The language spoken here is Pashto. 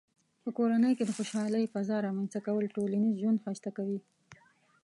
په کورنۍ کې د خوشحالۍ فضاء رامنځته کول ټولنیز ژوند ښایسته کوي.